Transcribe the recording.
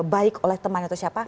baik oleh teman atau siapa